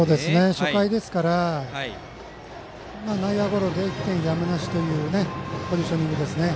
初回ですから内野ゴロで１点やむなしというポジショニングですね。